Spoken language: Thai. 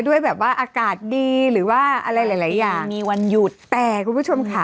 ด้วยแบบว่าอากาศดีหรือว่าอะไรหลายอย่างมีวันหยุดแต่คุณผู้ชมค่ะ